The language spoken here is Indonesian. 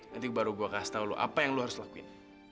nanti baru gue kasih tau lo apa yang lo harus lakuin